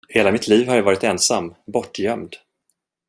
Hela mitt liv har jag varit ensam, bortgömd.